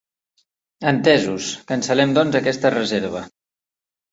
Entesos, cancel·lem doncs aquesta reserva.